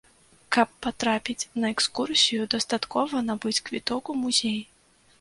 Каб патрапіць на экскурсію дастаткова набыць квіток у музей.